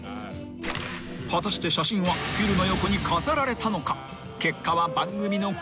［果たして写真はフィルの横に飾られたのか？］